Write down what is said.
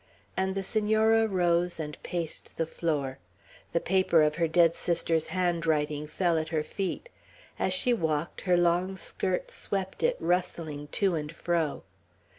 and the Senora rose, and paced the floor. The paper of her dead sister's handwriting fell at her feet. As she walked, her long skirt swept it rustling to and fro.